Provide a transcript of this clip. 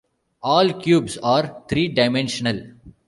All cubes are three-dimensional.